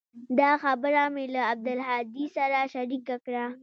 دا خبره مې له عبدالهادي سره شريکه کړه.